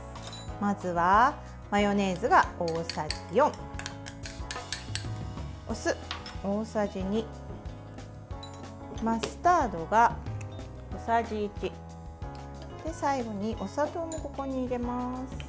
まずは、マヨネーズが大さじ４お酢、大さじ２マスタードが小さじ１最後にお砂糖もここに入れます。